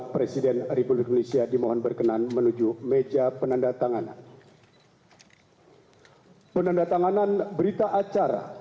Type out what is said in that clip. persiapan penanda tanganan berita acara